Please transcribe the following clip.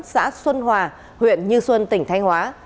xã xuân hòa huyện như xuân tỉnh thanh hóa